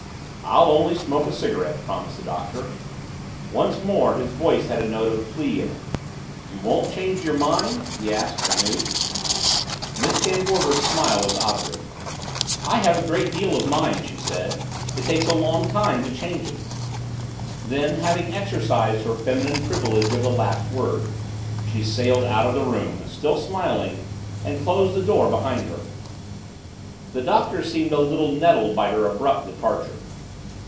"I'll only smoke a cigarette," promised the Doctor. Once again his voice had a note of plea in it. "You won't change your mind?" he asked anew. Miss Van Gorder's smile was obdurate. "I have a great deal of mind," she said. "It takes a long time to change it." Then, having exercised her feminine privilege of the last word, she sailed out of the room, still smiling, and closed the door behind her. The Doctor seemed a little nettled by her abrupt departure.